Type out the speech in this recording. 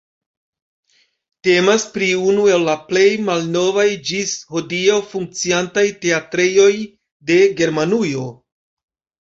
Temas pri unu el la plej malnovaj ĝis hodiaŭ funkciantaj teatrejoj de Germanujo.